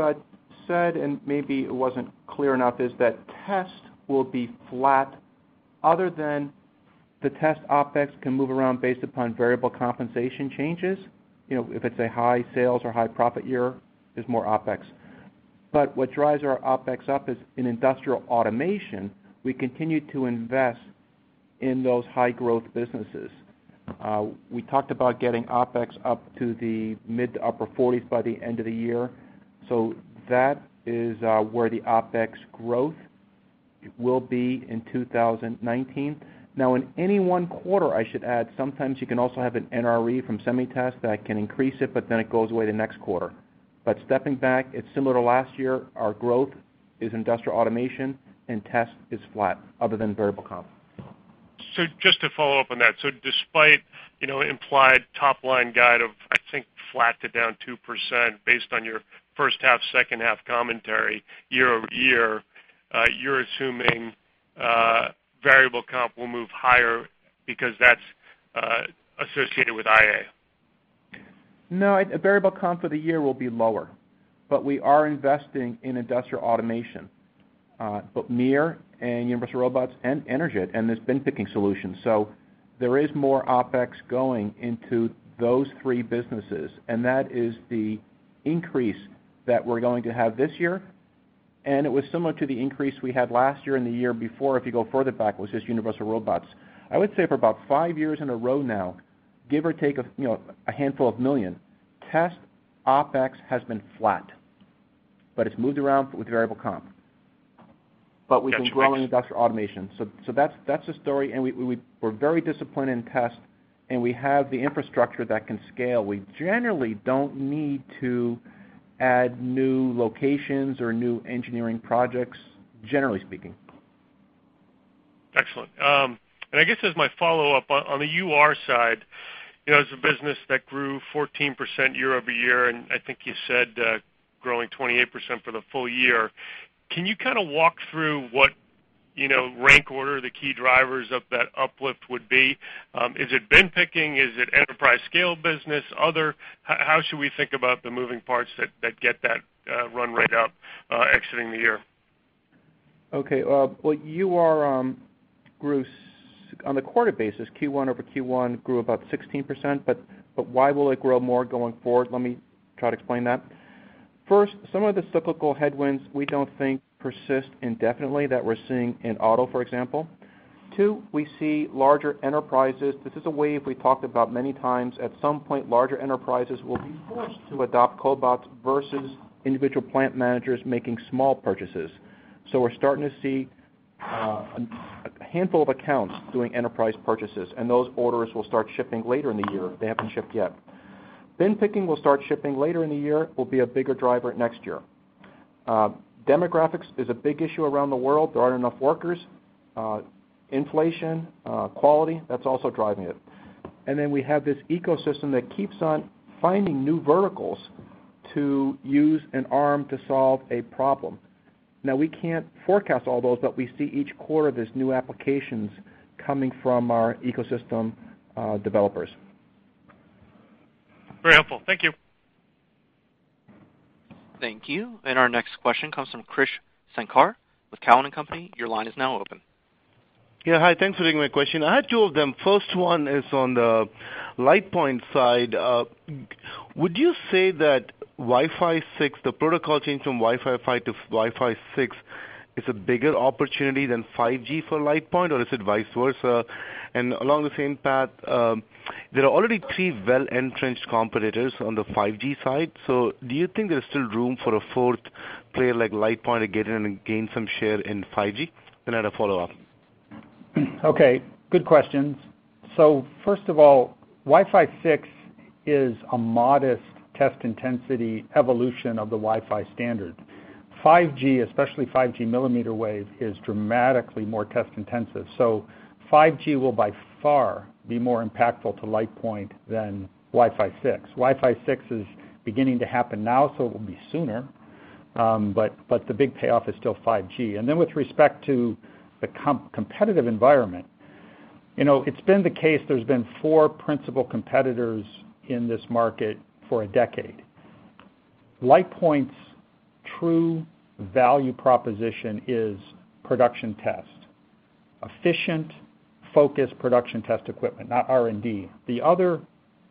said, and maybe it wasn't clear enough, is that test will be flat other than the test OpEx can move around based upon variable compensation changes. If it's a high sales or high profit year, there's more OpEx. What drives our OpEx up is in Industrial Automation, we continue to invest in those high growth businesses. We talked about getting OpEx up to the mid to upper 40s by the end of the year. That is where the OpEx growth will be in 2019. Now in any one quarter, I should add, sometimes you can also have an NRE from SemiTest that can increase it, then it goes away the next quarter. Stepping back, it's similar to last year. Our growth is Industrial Automation and test is flat other than variable comp. Just to follow up on that. Despite implied top-line guide of, I think, flat to down 2% based on your first half, second half commentary year-over-year, you're assuming variable comp will move higher because that's associated with IA. No, variable comp for the year will be lower. We are investing in industrial automation, both MiR and Universal Robots and Energid, and this bin picking solution. There is more OpEx going into those three businesses, and that is the increase that we're going to have this year, and it was similar to the increase we had last year and the year before, if you go further back, was just Universal Robots. I would say for about 5 years in a row now, give or take, a handful of million, test OpEx has been flat. It's moved around with variable comp. We've been growing industrial automation. That's the story, and we're very disciplined in test, and we have the infrastructure that can scale. We generally don't need to add new locations or new engineering projects, generally speaking. Excellent. I guess as my follow-up, on the UR side, as a business that grew 14% year-over-year, and I think you said growing 28% for the full year, can you kind of walk through what rank order the key drivers of that uplift would be? Is it bin picking? Is it enterprise scale business, other? How should we think about the moving parts that get that run rate up exiting the year? Okay. UR grew on the quarter basis, Q1 over Q1 grew about 16%. Why will it grow more going forward? Let me try to explain that. First, some of the cyclical headwinds we don't think persist indefinitely that we're seeing in auto, for example. Two, we see larger enterprises. This is a wave we talked about many times. At some point, larger enterprises will be forced to adopt cobots versus individual plant managers making small purchases. We're starting to see a handful of accounts doing enterprise purchases, and those orders will start shipping later in the year. They haven't shipped yet. Bin picking will start shipping later in the year, will be a bigger driver next year. Demographics is a big issue around the world. There aren't enough workers. Inflation, quality, that's also driving it. We have this ecosystem that keeps on finding new verticals to use an arm to solve a problem. Now, we can't forecast all those. We see each quarter there's new applications coming from our ecosystem developers. Very helpful. Thank you. Thank you. Our next question comes from Krish Sankar with Cowen and Company. Your line is now open. Yeah, hi. Thanks for taking my question. I had two of them. First one is on the LitePoint side. Would you say that Wi-Fi 6, the protocol change from Wi-Fi 5 to Wi-Fi 6, is a bigger opportunity than 5G for LitePoint, or is it vice versa? Along the same path, there are already three well-entrenched competitors on the 5G side. Do you think there's still room for a fourth player like LitePoint to get in and gain some share in 5G? I had a follow-up. Okay. Good questions. First of all, Wi-Fi 6 is a modest test intensity evolution of the Wi-Fi standard. 5G, especially 5G millimeter wave, is dramatically more test intensive. 5G will by far be more impactful to LitePoint than Wi-Fi 6. Wi-Fi 6 is beginning to happen now, so it will be sooner. The big payoff is still 5G. With respect to the competitive environment, it's been the case there's been four principal competitors in this market for a decade. LitePoint's true value proposition is production test. Efficient, focused production test equipment, not R&D. The other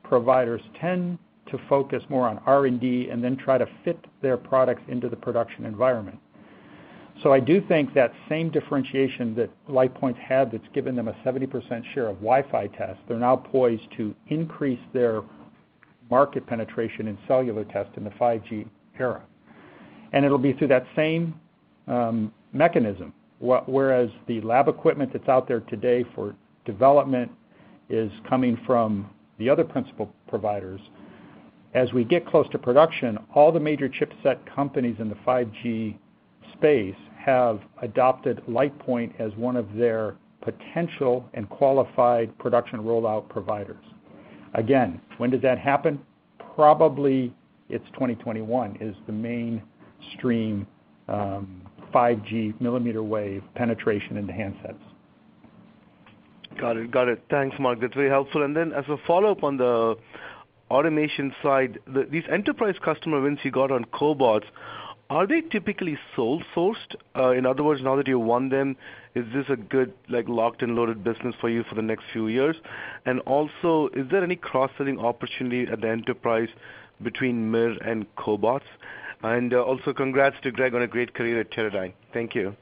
providers tend to focus more on R&D and then try to fit their products into the production environment. I do think that same differentiation that LitePoint's had that's given them a 70% share of Wi-Fi test, they're now poised to increase their market penetration in cellular test in the 5G era. It'll be through that same mechanism, whereas the lab equipment that's out there today for development is coming from the other principal providers. As we get close to production, all the major chipset companies in the 5G space have adopted LitePoint as one of their potential and qualified production rollout providers. Again, when does that happen? Probably it's 2021 is the mainstream 5G millimeter wave penetration into handsets. Got it. Thanks, Mark. That's very helpful. As a follow-up on the automation side, these enterprise customer wins you got on cobots, are they typically sole sourced? In other words, now that you won them, is this a good locked and loaded business for you for the next few years? Also, is there any cross-selling opportunity at the enterprise between MiR and cobots? Also congrats to Greg on a great career at Teradyne. Thank you.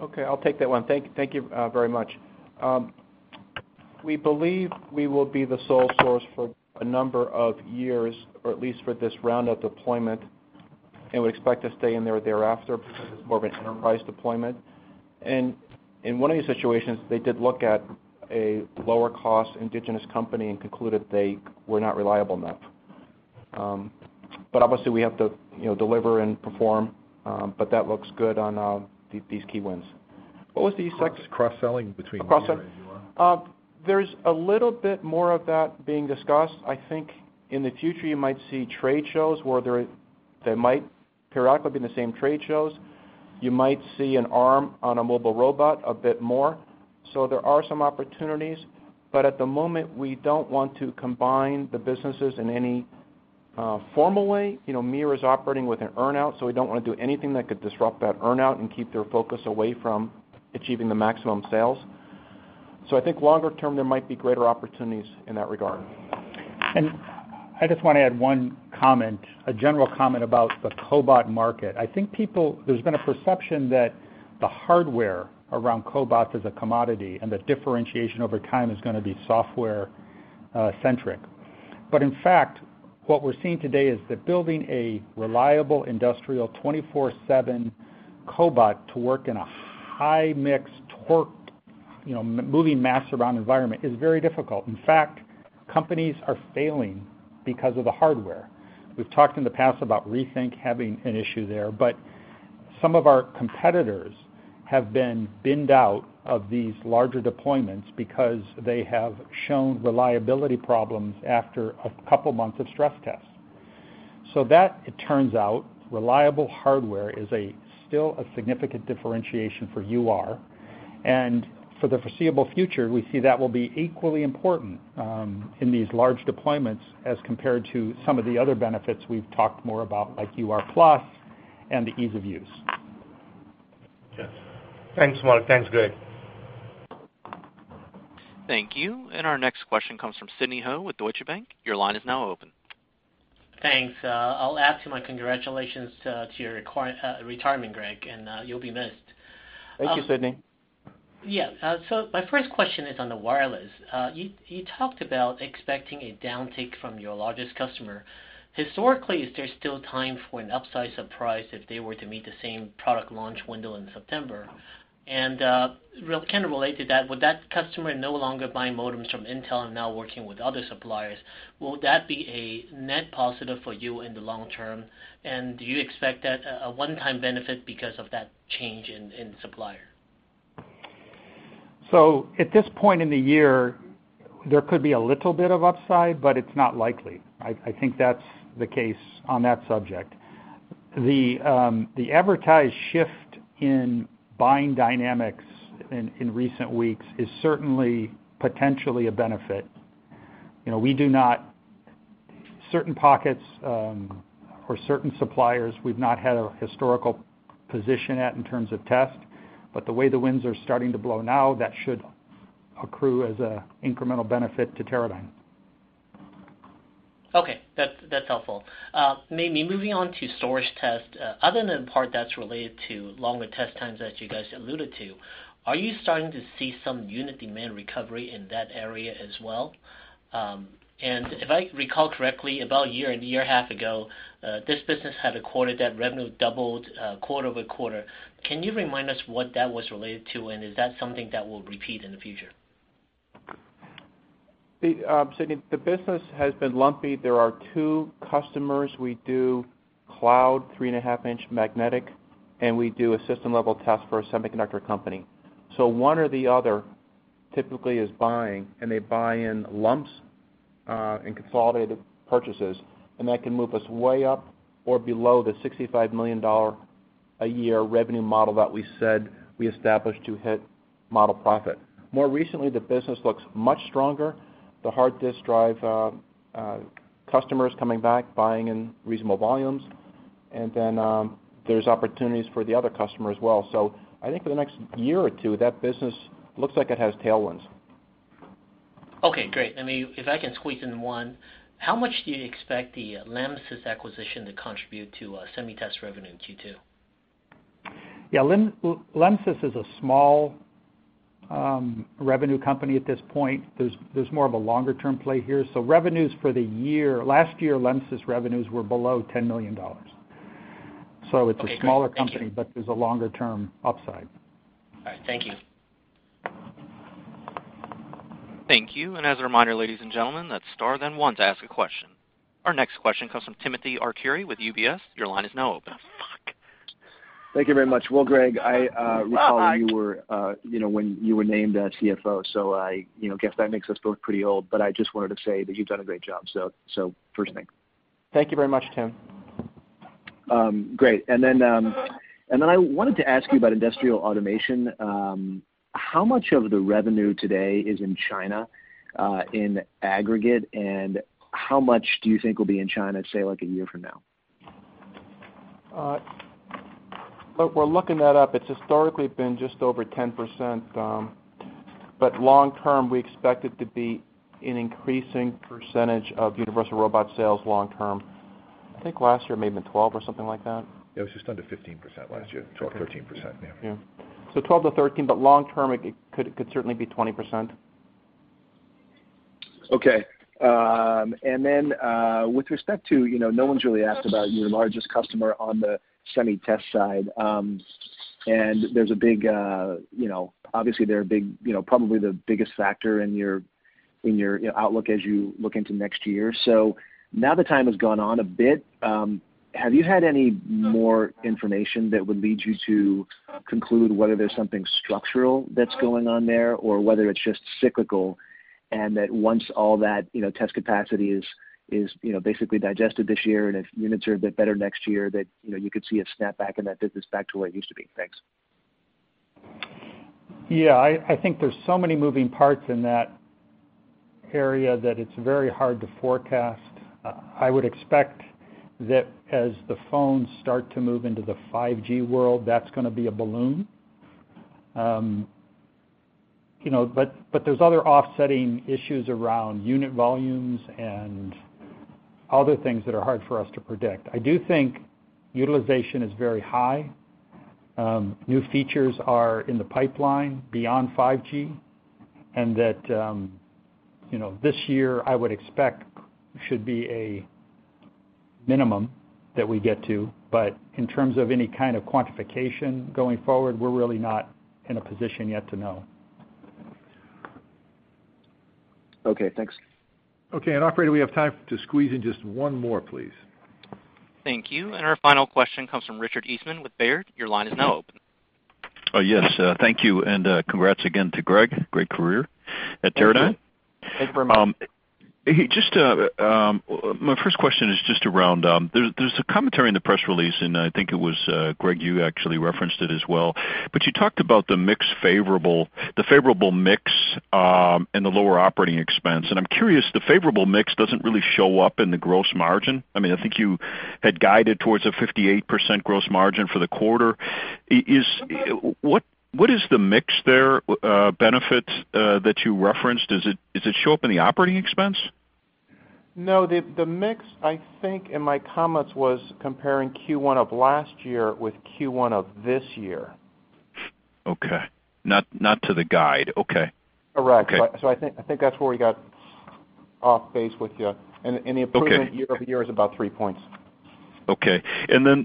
Okay. I'll take that one. Thank you very much. We believe we will be the sole source for a number of years, or at least for this round of deployment, we expect to stay in there thereafter because it's more of an enterprise deployment. In one of these situations, they did look at a lower cost indigenous company and concluded they were not reliable enough. Obviously, we have to deliver and perform, but that looks good on these key wins. What was the second- Cross-selling between MiR and UR Cross-sell. There's a little bit more of that being discussed. I think in the future you might see trade shows where they might periodically be in the same trade shows. You might see an arm on a mobile robot a bit more. There are some opportunities, but at the moment, we don't want to combine the businesses in any formal way. MiR is operating with an earn-out, we don't want to do anything that could disrupt that earn-out and keep their focus away from achieving the maximum sales. I think longer term, there might be greater opportunities in that regard. I just want to add one comment, a general comment about the cobot market. I think there's been a perception that the hardware around cobots is a commodity, and the differentiation over time is going to be software centric. In fact, what we're seeing today is that building a reliable industrial 24/7 cobot to work in a high mix torque, moving mass around environment is very difficult. In fact, companies are failing because of the hardware. We've talked in the past about Rethink having an issue there, but some of our competitors have been binned out of these larger deployments because they have shown reliability problems after a couple months of stress tests. That it turns out, reliable hardware is still a significant differentiation for UR, and for the foreseeable future, we see that will be equally important in these large deployments as compared to some of the other benefits we've talked more about, like UR+ and the ease of use. Thanks, Mark. Thanks, Greg. Thank you. Our next question comes from Sidney Ho with Deutsche Bank. Your line is now open. Thanks. I'll add to my congratulations to your retirement, Greg, and you'll be missed. Thank you, Sidney. Yeah. My first question is on the wireless. You talked about expecting a downtick from your largest customer. Historically, is there still time for an upside surprise if they were to meet the same product launch window in September? Kind of related to that, would that customer no longer buying modems from Intel and now working with other suppliers, will that be a net positive for you in the long term? Do you expect that a one-time benefit because of that change in supplier? At this point in the year, there could be a little bit of upside, but it's not likely. I think that's the case on that subject. The advertised shift in buying dynamics in recent weeks is certainly, potentially a benefit. Certain pockets, or certain suppliers, we've not had a historical position at in terms of test, but the way the winds are starting to blow now, that should accrue as an incremental benefit to Teradyne. Okay. That's helpful. Maybe moving on to storage test. Other than the part that's related to longer test times that you guys alluded to, are you starting to see some unit demand recovery in that area as well? If I recall correctly, about a year and a year and a half ago, this business had a quarter that revenue doubled quarter-over-quarter. Can you remind us what that was related to, and is that something that will repeat in the future? Sidney, the business has been lumpy. There are two customers. We do cloud 3.5-inch magnetic, and we do a system-level test for a semiconductor company. One or the other typically is buying, and they buy in lumps, in consolidated purchases, and that can move us way up or below the $65 million a year revenue model that we said we established to hit model profit. More recently, the business looks much stronger. The hard disk drive customer is coming back, buying in reasonable volumes, there's opportunities for the other customer as well. I think for the next year or two, that business looks like it has tailwinds. Okay, great. Maybe if I can squeeze in one. How much do you expect the Lemsys acquisition to contribute to SemiTest revenue in Q2? Yeah. Lemsys is a small revenue company at this point. There's more of a longer-term play here. Revenues for the year, last year, Lemsys revenues were below $10 million. Okay, great. Thank you. It's a smaller company, but there's a longer-term upside. All right. Thank you. Thank you. As a reminder, ladies and gentlemen, that's star then one to ask a question. Our next question comes from Timothy Arcuri with UBS. Your line is now open. Fuck. Thank you very much. Well, Greg, I recall- Oh, hi you when you were named CFO, so I guess that makes us both pretty old, but I just wanted to say that you've done a great job. First, thanks. Thank you very much, Tim. Then I wanted to ask you about industrial automation. How much of the revenue today is in China, in aggregate, and how much do you think will be in China, say, like a year from now? We're looking that up. It's historically been just over 10%, but long-term, we expect it to be an increasing percentage of Universal Robots sales long-term. I think last year it may have been 12 or something like that. It was just under 15% last year. 12%, 13%. Yeah. 12%-13%, but long-term, it could certainly be 20%. Okay. With respect to, no one's really asked about your largest customer on the SemiTest side. Obviously they're probably the biggest factor in your outlook as you look into next year. Now that time has gone on a bit, have you had any more information that would lead you to conclude whether there's something structural that's going on there, or whether it's just cyclical, and that once all that test capacity is basically digested this year, and if units are a bit better next year, that you could see a snap back in that business back to where it used to be? Thanks. I think there's so many moving parts in that area that it's very hard to forecast. I would expect that as the phones start to move into the 5G world, that's going to be a balloon. There's other offsetting issues around unit volumes and other things that are hard for us to predict. I do think utilization is very high. New features are in the pipeline beyond 5G, and that this year, I would expect, should be a minimum that we get to, but in terms of any kind of quantification going forward, we're really not in a position yet to know. Okay, thanks. Okay. Operator, we have time to squeeze in just one more, please. Thank you. Our final question comes from Richard Eastman with Baird. Your line is now open. Yes, thank you. Congrats again to Greg. Great career at Teradyne. Thank you. Thanks very much. My first question is just around, there's a commentary in the press release, I think it was Greg, you actually referenced it as well. You talked about the favorable mix, and the lower operating expense. I'm curious, the favorable mix doesn't really show up in the gross margin. I think you had guided towards a 58% gross margin for the quarter. What is the mix there, benefit that you referenced? Does it show up in the operating expense? No, the mix, I think, in my comments was comparing Q1 of last year with Q1 of this year. Okay. Not to the guide. Okay. Correct. Okay. I think that's where we got off base with you. Okay. The improvement year-over-year is about three points. Okay.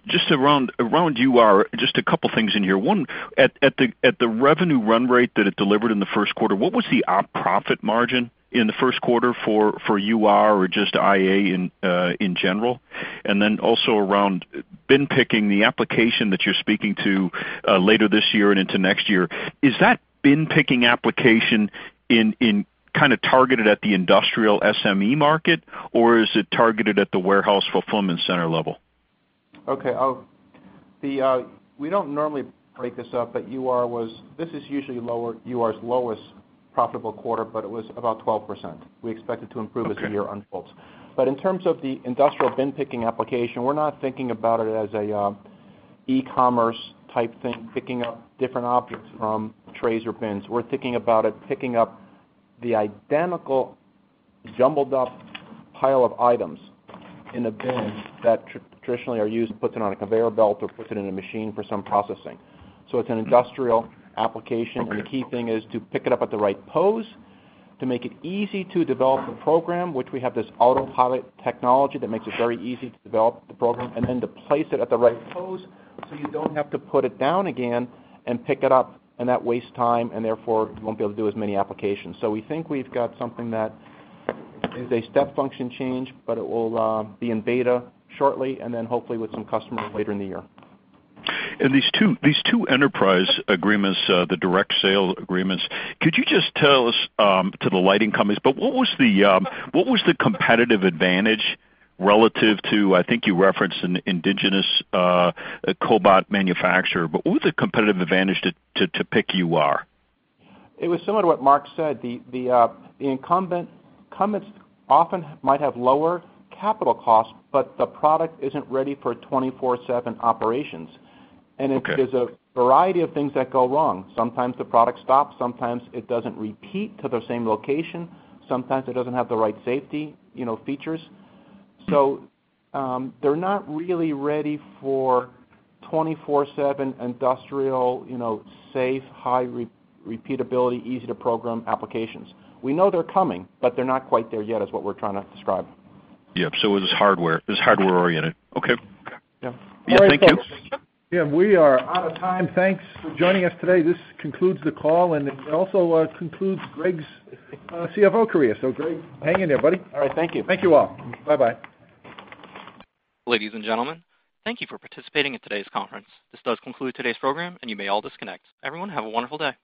Just around UR, just a couple things in here. One, at the revenue run rate that it delivered in the first quarter, what was the op profit margin in the first quarter for UR or just IA in general? Also around bin picking, the application that you're speaking to later this year and into next year, is that bin picking application targeted at the industrial SME market, or is it targeted at the warehouse fulfillment center level? Okay. We don't normally break this up, this is usually UR's lowest profitable quarter, it was about 12%. We expect it to improve- Okay as the year unfolds. In terms of the industrial bin picking application, we're not thinking about it as an e-commerce type thing, picking up different objects from trays or bins. We're thinking about it picking up the identical jumbled up pile of items in a bin that traditionally are used, puts it on a conveyor belt or puts it in a machine for some processing. It's an industrial application. Okay. The key thing is to pick it up at the right pose, to make it easy to develop a program, which we have this autopilot technology that makes it very easy to develop the program, and then to place it at the right pose, so you don't have to put it down again and pick it up, and that wastes time, and therefore you won't be able to do as many applications. We think we've got something that is a step function change, but it will be in beta shortly, and then hopefully with some customers later in the year. These two enterprise agreements, the direct sale agreements, could you just tell us, to the lighting companies, but what was the competitive advantage relative to, I think you referenced an indigenous cobot manufacturer, but what was the competitive advantage to pick UR? It was similar to what Mark said. The incumbents often might have lower capital costs, but the product isn't ready for 24/7 operations. Okay. There's a variety of things that go wrong. Sometimes the product stops, sometimes it doesn't repeat to the same location, sometimes it doesn't have the right safety features. They're not really ready for 24/7 industrial, safe, high repeatability, easy to program applications. We know they're coming, but they're not quite there yet, is what we're trying to describe. Yeah. It's hardware oriented. Okay. Yeah. Yeah. Thank you. Thanks. We are out of time. Thanks for joining us today. This concludes the call and it also concludes Greg's CFO career. Greg, hang in there, buddy. All right. Thank you. Thank you all. Bye-bye. Ladies and gentlemen, thank you for participating in today's conference. This does conclude today's program, and you may all disconnect. Everyone, have a wonderful day.